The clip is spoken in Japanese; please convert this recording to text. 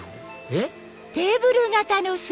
えっ？